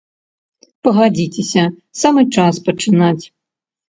Пагадзіцеся, самы час пачынаць.